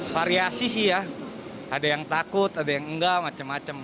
variasi sih ya ada yang takut ada yang enggak macam macam